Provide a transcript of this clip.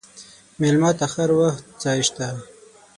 مېلمه ته هر وخت ځای شته.